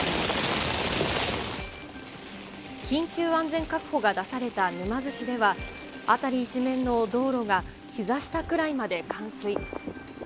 緊急安全確保が出された沼津市では、辺り一面の道路がひざ下くらいまで冠水。